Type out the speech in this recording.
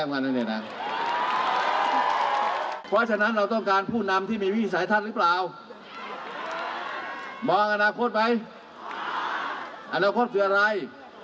เพราะฉะนั้นเราต้องการผู้นำที่มีวิสัยท่านหรือเปล่ามองอนาคตไหมอนาคตคืออะไร